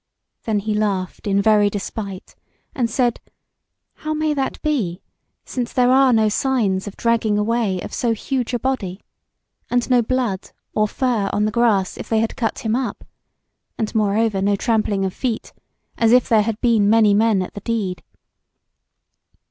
Then he laughed in very despite, and said: How may that be, since there are no signs of dragging away of so huge a body, and no blood or fur on the grass if they had cut him up, and moreover no trampling of feet, as if there had been many men at the deed.